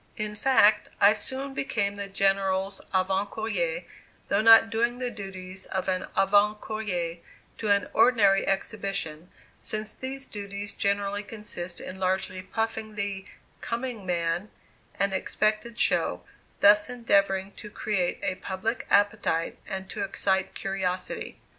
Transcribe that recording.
In fact, I soon became the General's avant courier, though not doing the duties of an avant courier to an ordinary exhibition, since these duties generally consist in largely puffing the "coming man" and expected show, thus endeavoring to create a public appetite and to excite curiosity.